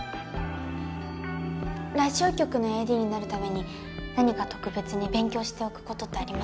ラジオ局のＡＤになるために何か特別に勉強しておく事ってありますか？